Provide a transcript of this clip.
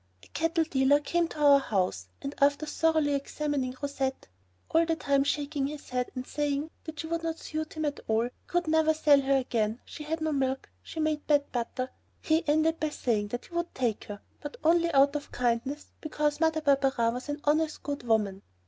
A cattle dealer came to our house, and after thoroughly examining Rousette, all the time shaking his head and saying that she would not suit him at all, he could never sell her again, she had no milk, she made bad butter, he ended by saying that he would take her, but only out of kindness because Mother Barberin was an honest good woman.